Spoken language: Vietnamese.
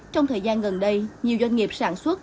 trong thời gian gần đây nhiều doanh nghiệp sản xuất